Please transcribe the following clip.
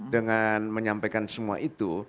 dengan menyampaikan semua itu